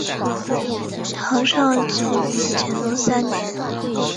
陶绍景于乾隆三年。